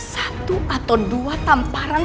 satu atau dua tamparan